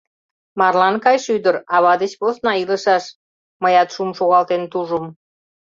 — Марлан кайыше ӱдыр ава деч посна илышаш, — мыят шум шогалтен тужым.